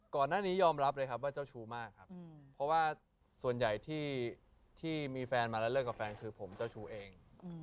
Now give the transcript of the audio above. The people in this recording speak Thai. ก่อนหน้านี้ยอมรับเลยครับว่าเจ้าชู้มากครับเพราะว่าส่วนใหญ่ที่มีแฟนมาแล้วเลิกกับแฟนคือผมเจ้าชู้เอง